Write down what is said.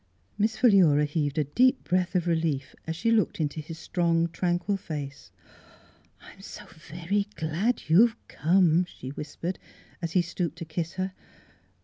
Miss Philura heaved a deep breath of relief as she looked into his strong, tranquil face. " I'm so very glad you've come," she whispered, as he stooped to kiss her.